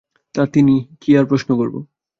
তা, তিনি– কী আর প্রশ্ন করব?